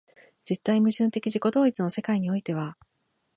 絶対矛盾的自己同一の世界においては、